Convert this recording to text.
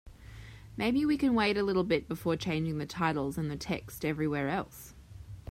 Maybe we can wait a little bit before changing the titles and the text everywhere else?